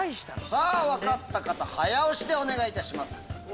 さぁ分かった方早押しでお願いいたします。